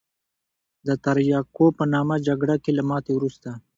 د تریاکو په نامه جګړه کې له ماتې وروسته.